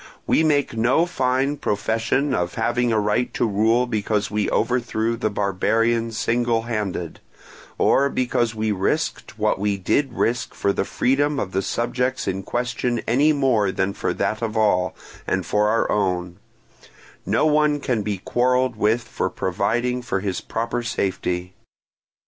We make no fine profession of having a right to rule because we overthrew the barbarian single handed, or because we risked what we did risk for the freedom of the subjects in question any more than for that of all, and for our own: no one can be quarrelled with for providing for his proper safety.